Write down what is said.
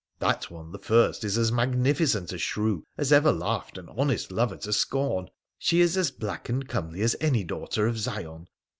That one, the iirst, is as magnificent a shrew as ever laughed an honest lover to scorn. She is as black and comely as any daughter of Zion.